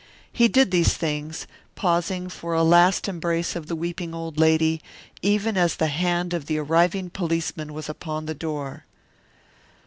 He did these things, pausing for a last embrace of the weeping old lady, even as the hand of the arriving policeman was upon the door.